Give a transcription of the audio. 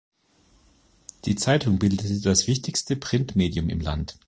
Die Zeitung bildete das wichtigste Printmedium im Land.